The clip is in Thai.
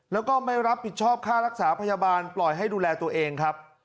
แล้วก็ไม่รับผิดชอบค่ารักษาพยาบาลปล่อยให้ดูแลตัวเองครับ